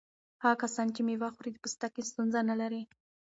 هغه کسان چې مېوه خوري د پوستکي ستونزې نه لري.